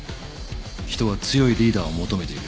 人は強いリーダーを求めている。